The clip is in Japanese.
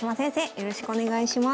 よろしくお願いします。